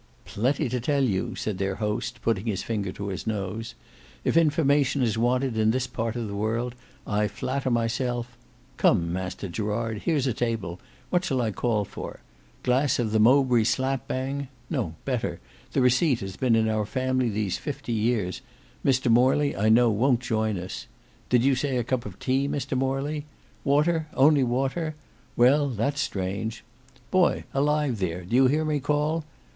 "Plenty to tell you," said their host putting his finger to his nose. "If information is wanted in this part of the world, I flatter myself—Come, Master Gerard, here's a table; what shall I call for? glass of the Mowbray slap bang? No better; the receipt has been in our family these fifty years. Mr Morley I know won't join us. Did you say a cup of tea, Mr Morley? Water, only water; well, that's strange. Boy alive there, do you hear me call?